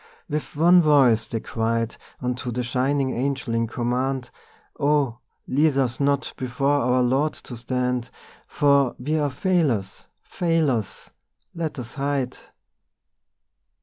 With one voice they cried Unto the shining Angel in command: 'Oh, lead us not before our Lord to stand, For we are failures, failures! Let us hide.